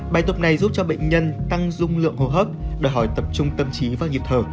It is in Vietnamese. bài tập này giúp cho bệnh nhân tăng dung lượng hô hấp đòi hỏi tập trung tâm trí và nhịp thở